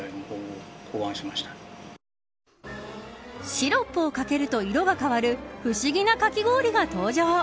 シロップをかけると色が変わる不思議なかき氷が登場。